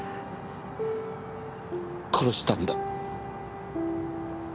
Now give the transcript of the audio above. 殺したんだ。